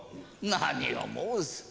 何を申す。